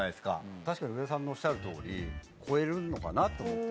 確かに上田さんのおっしゃるとおり超えるのかなと思って。